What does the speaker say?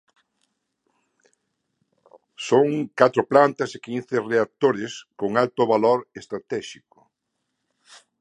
Son catro plantas e quince reactores con alto valor estratéxico.